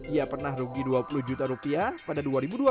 ia pernah rugi dua puluh juta rupiah pada dua ribu dua belas